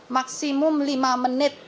maksimum lima menit